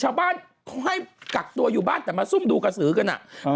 ชาวบ้านเขาให้กักตัวอยู่บ้านแต่มาซุ่มดูกระสือกันอ่ะ